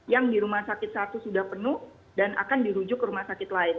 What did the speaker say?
yang di rumah sakit satu sudah penuh dan akan dirujuk ke rumah sakit lain